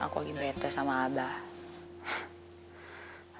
aku lagi betes sama abah